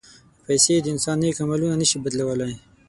پېسې د انسان نیک عملونه نه شي بدلولی.